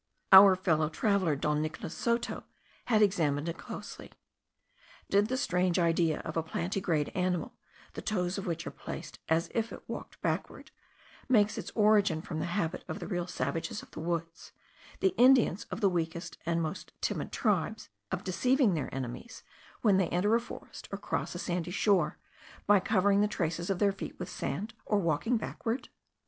Our fellow traveller, Don Nicolas Soto, had examined it closely. Did the strange idea of a plantigrade animal, the toes of which are placed as if it walked backward, take its origin from the habit of the real savages of the woods, the Indians of the weakest and most timid tribes, of deceiving their enemies, when they enter a forest, or cross a sandy shore, by covering the traces of their feet with sand, or walking backward?